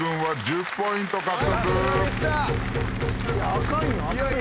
あかんよ。